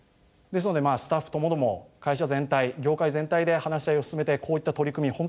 ですのでスタッフともども会社全体業界全体で話し合いを進めてこういった取り組み